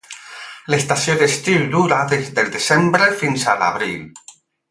L'estació d'estiu dura des del desembre fins a l’abril.